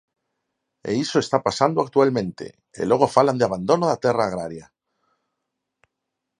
E iso está pasando actualmente, e logo falan de abandono da terra agraria.